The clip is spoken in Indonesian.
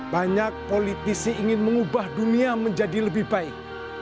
banyak politisi ingin mengubah dunia menjadi lebih baik